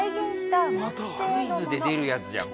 クイズで出るやつじゃん